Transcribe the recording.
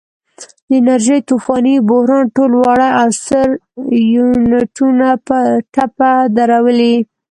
د انرژۍ طوفاني بحران ټول واړه او ستر یونټونه په ټپه درولي.